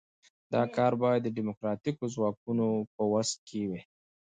دا کار باید د ډیموکراتیکو ځواکونو په وس کې وي.